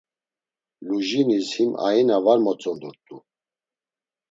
Lujinis him aina var motzondurt̆u.